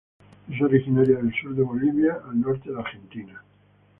Es originario del sur de Bolivia al norte de Argentina.